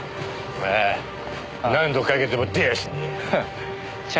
ああ何度かけても出やしねえよ。